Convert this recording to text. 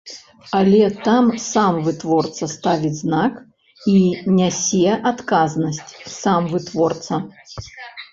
Але там сам вытворца ставіць знак і нясе адказнасць сам вытворца.